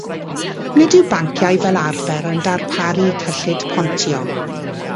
Nid yw banciau fel arfer yn darparu cyllid pontio.